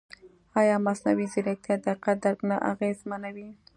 ایا مصنوعي ځیرکتیا د حقیقت درک نه اغېزمنوي؟